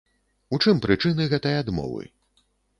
У чым прычыны гэтай адмовы?